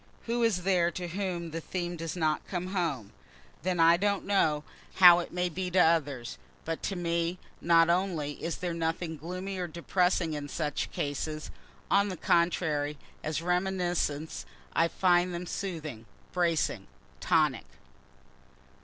Who is there to whom the theme does not come home? Then I don't know how it may be to others, but to me not only is there nothing gloomy or depressing in such cases on the contrary, as reminiscences, I find them soothing, bracing, tonic.